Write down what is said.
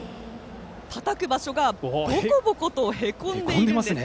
たたく場所がぼこぼことへこんでいるんです。